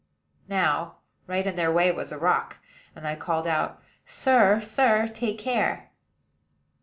Now, right in their way was a rock; and I called out, "Sir, sir, take care."